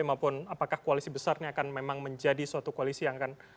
maupun apakah koalisi besar ini akan memang menjadi suatu koalisi yang akan